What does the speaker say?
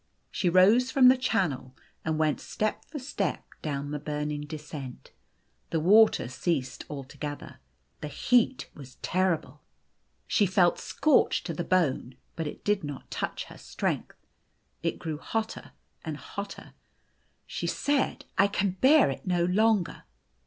She rose from the channel, and went step for step down the burning descent. The water ceased altogether. The heat was terrible. She felt scorched to the bone, but it did not touch her strength. It grew hotter and hotter. She said, " I can bear it no longer."